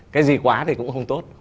cái gì quá thì cũng không tốt